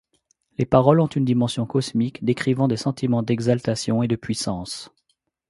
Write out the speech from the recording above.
Les paroles ont une dimension cosmique, décrivant des sentiments d’exaltation et de puissance.